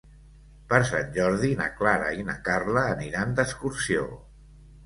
Per Sant Jordi na Clara i na Carla aniran d'excursió.